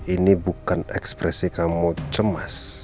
ini bukan ekspresi kamu cemas